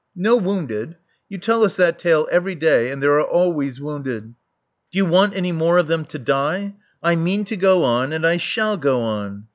"No wounded? You tell us that tale every day, and there are always wounded. Do you want any more of them to die? I mean to go on and I shall go on."